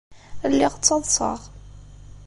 Lliɣ ttaḍsaɣ.